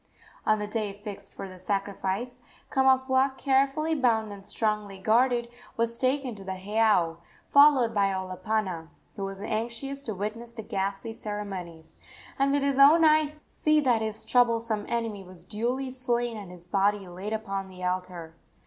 On the day fixed for the sacrifice Kamapuaa, carefully bound and strongly guarded, was taken to the heiau, followed by Olopana, who was anxious to witness the ghastly ceremonies, and with his own eyes see that his troublesome enemy was duly slain and his body laid upon the altar.